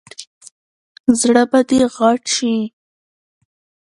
زړه به دې غټ شي !